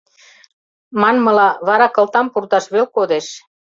Манмыла, вара кылтам пурташ веле кодеш.